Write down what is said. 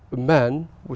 về một người